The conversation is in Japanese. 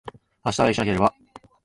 明日は、早起きしなければ。